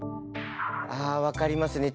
あ分かりますね。